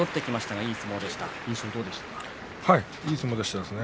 いい相撲でしたね。